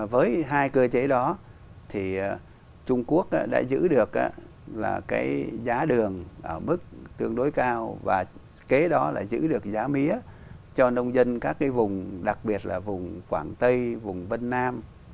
với hai cơ chế đó thì trung quốc đã giữ được cái giá đường ở mức tương đối cao và kế đó là giữ được giá mía cho nông dân các cái vùng đặc biệt là vùng quảng tây vùng vân nam